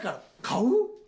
買う。